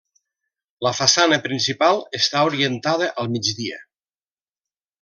La façana principal està orientada al migdia.